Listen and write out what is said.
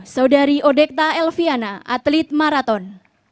saudari odekta elviana atlet maraton